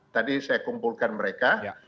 tadi saya kumpulkan mereka